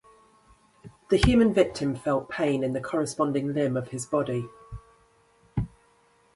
The human victim felt pain in the corresponding limb of his body.